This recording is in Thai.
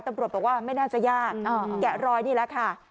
ตำรวบบอกว่าไม่แน่จะยากอ่าแกะรอยนี่แหละค่ะเอ่อ